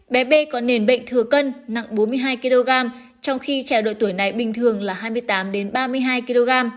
bé b có nền bệnh thừa cân nặng bốn mươi hai kg trong khi trẻ độ tuổi này bình thường là hai mươi tám ba mươi hai kg